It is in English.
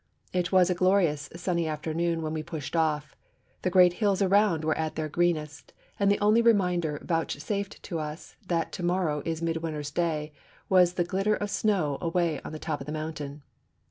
It was a glorious sunny afternoon when we pushed off; the great hills around were at their greenest; and the only reminder vouchsafed to us that to morrow is midwinter's day was the glitter of snow away on the top of the mountain.